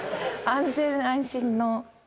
安全安心の。